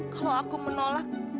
kalau aku menolak